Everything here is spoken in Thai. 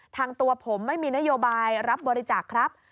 ทางตัวผมไม่มีนโยบายรับบริจาคครับ